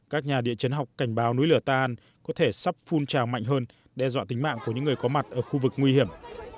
các nhà địa chấn học cảnh báo núi lửa ta an có thể sắp phun trào mạnh hơn đe dọa tính mạng của những người có mặt ở khu vực nguy hiểm